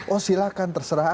oh silahkan terserah aja